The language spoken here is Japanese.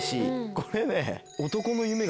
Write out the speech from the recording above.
これね。